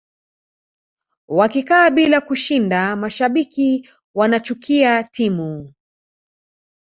wakikaa bila kushinda mashabiki wanachukia timu